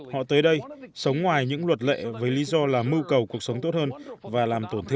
họ tới đây sống ngoài những luật lệ với lý do là mưu cầu cuộc sống tốt hơn và làm tổn thương